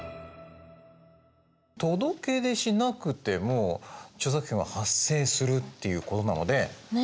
届け出しなくても著作権は発生するっていうことなのでね。